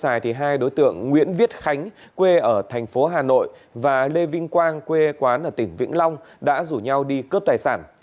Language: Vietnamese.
trong dài hai đối tượng nguyễn viết khánh quê ở thành phố hà nội và lê vinh quang quê quán ở tỉnh vĩnh long đã rủ nhau đi cướp tài sản